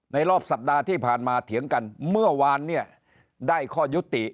รอบสัปดาห์ที่ผ่านมาเถียงกันเมื่อวานเนี่ยได้ข้อยุติ